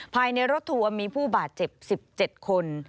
ภายในรถทัวร์มีผู้บาดเจ็บ๑๗คน